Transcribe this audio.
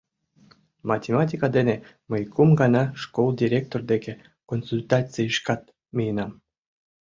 Математика дене мый кум гана школ директор деке консультацийышкат миенам.